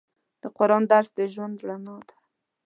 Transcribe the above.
د قرآن درس د ژوند رڼا ده.